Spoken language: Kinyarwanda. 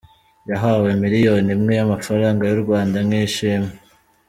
Yahawe miliyoni imwe y’amafaranga y’u Rwanda nk’ishimwe.